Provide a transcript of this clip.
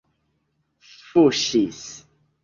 fuŝis